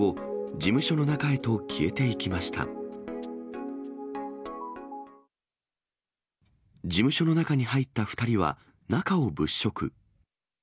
事務所の中に入った２人は中を物色。